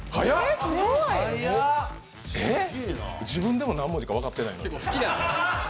自分でも何文字か分かってないのに。